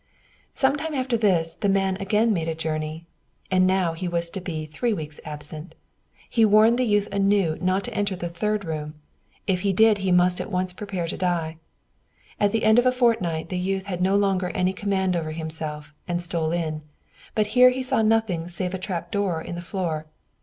Some time after this, the man again made a journey, and now he was to be three weeks absent. He warned the youth anew not to enter the third room; if he did he must at once prepare to die. At the end of a fortnight, the youth had no longer any command over himself, and stole in; but here he saw nothing save a trap door in the floor.